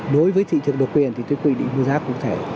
đối với thị trường độc quyền thì tôi quy định mua giá cũng thế